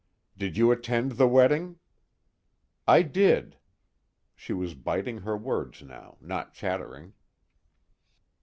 "Did you attend the wedding?" "I did." She was biting her words now, not chattering.